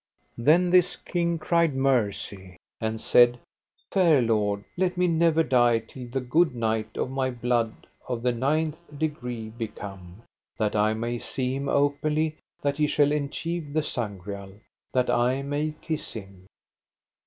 Then this king cried mercy, and said: Fair Lord, let me never die till the good knight of my blood of the ninth degree be come, that I may see him openly that he shall enchieve the Sangreal, that I may kiss him.